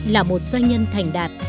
là một doanh nhân thành đạt